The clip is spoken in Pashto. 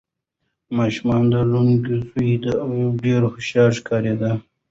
ماشوم د لونګ زوی و او ډېر هوښیار ښکارېده.